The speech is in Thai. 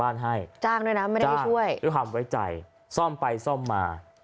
นานา